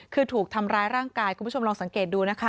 คือถูกทำร้ายร่างกายคุณผู้ชมลองสังเกตดูนะคะ